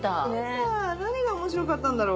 何が面白かったんだろ。